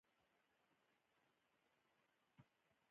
او په هغه هم چې له تا څخه مخكي نازل شوي دي